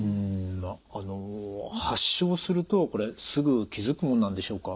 あの発症するとこれすぐ気付くものなんでしょうか？